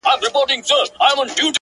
o قربانو مخه دي ښه ـ